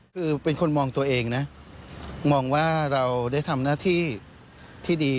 คือเป็นคนมองตัวเองนะมองว่าเราได้ทำหน้าที่ที่ดี